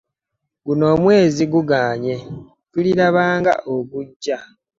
Guno omwezi gugannye! Tulilabagana ogujja.